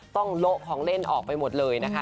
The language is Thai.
โละของเล่นออกไปหมดเลยนะคะ